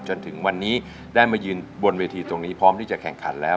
จนถึงวันนี้ได้มายืนบนเวทีตรงนี้พร้อมที่จะแข่งขันแล้ว